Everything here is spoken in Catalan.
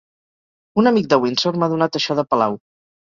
Un amic de Windsor m'ha donat això de palau.